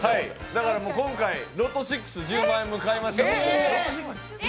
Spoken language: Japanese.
だから今回、ロト６、１０万円分買いました。